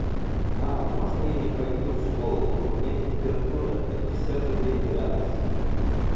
Мам, можно я не пойду в школу? У меня температура, пятьдесят один градус!